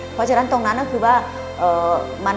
เพราะฉะนั้นตรงนั้นก็คือว่า